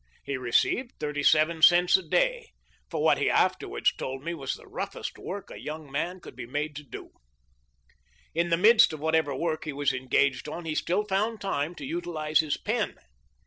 He received thirty seven cents a day for what he Judge John Pitcher THE LIFE OF LINCOLN. 6 1 afterwards told me was the roughest work a young man could be made to do. In the midst of what ever work he was engaged on he still found time to utilize his pen.